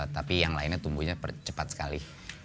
tapi yang lainnya tumbuhnya cepat sekali